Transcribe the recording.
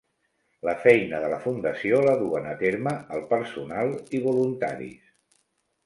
La feina de la fundació la duen a terme el personal i voluntaris.